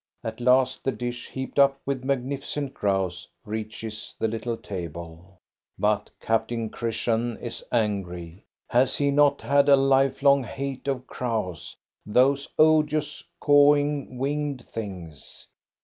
' At last the dish heaped up with magnificent grouse reaches the little table. But Captain Christian is angry. Has he not had a life long hate of crows, — those odious, cawing, winged things